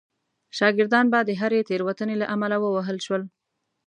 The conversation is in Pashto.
شاګردان به د هرې تېروتنې له امله ووهل شول.